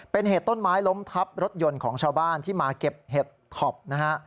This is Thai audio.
เป็นเหตุต้นไม้ล้มทับรถยนต์ของชาวบ้านที่มาเก็บเห็ดท็อปนะฮะ